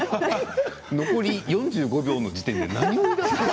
残り４５秒の時点で何を言いだすの。